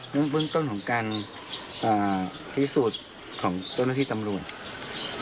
เบื้องต้นของการพิสูจน์ของเจ้าหน้าที่ตำรวจ